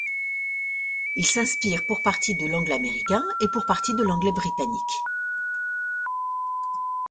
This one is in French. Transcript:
Il s'inspire pour partie de l'anglais américain et pour partie de l'anglais britannique.